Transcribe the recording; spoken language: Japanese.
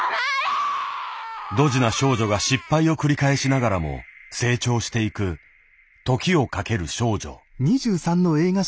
ドジな少女が失敗を繰り返しながらも成長していく「時をかける少女」。